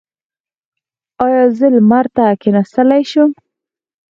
ایا زه لمر ته کیناستلی شم؟